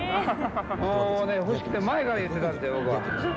もうね、欲しくて、前から言ってたんですよ、僕は。